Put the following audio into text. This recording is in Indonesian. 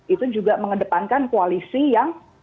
itu juga mengedepankan koalisi yang